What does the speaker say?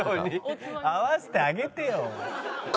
合わせてあげてよ！